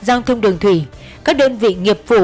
giao thông đường thủy các đơn vị nghiệp vụ